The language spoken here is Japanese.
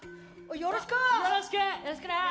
よろしく！